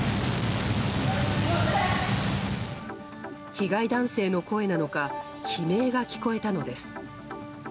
被害男性の声なのか悲鳴が聞こえたのです。